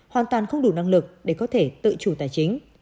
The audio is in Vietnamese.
hoàn toàn không đủ năng lực để có thể tự chủ tài chính